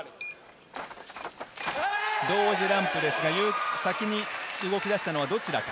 同時ランプですが、先に動きだしたのは、どちらか。